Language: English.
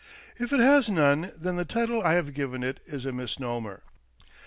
If it has none, then the title I have given it is a misnomer.